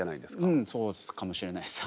うんそうかもしれないですはい。